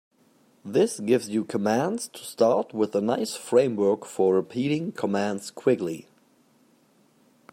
This gives you commands to start with and a nice framework for repeating commands quickly.